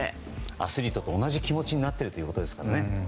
アスリートと同じ気持ちになってるということですから。